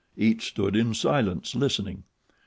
Each stood in silence, listening.